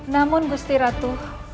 namun gusti ratu